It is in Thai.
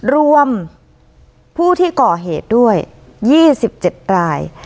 รวมผู้ที่ก่อเหตุด้วย๒๗ราย